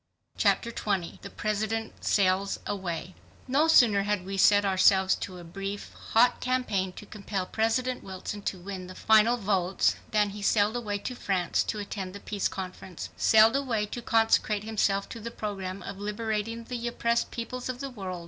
Chapter 20 The President Sails Away No sooner had we set ourselves to a brief, hot campaign to compel President Wilson to win the final votes than he sailed away to France to attend the Peace Conference, sailed away to consecrate himself to the program of liberating the oppressed peoples of the whole world.